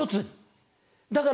だから